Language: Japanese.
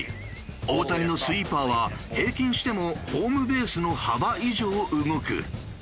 大谷のスイーパーは平均してもホームベースの幅以上動く。